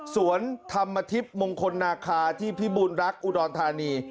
สวนธรรมทิพย์มงคลนาคาที่พิบูรณรักอุดรธานี